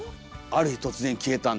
「ある日突然消えたんだ」。